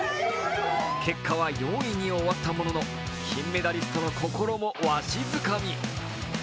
結果は４位に終わった者の金メダリストの心もわしづかみ。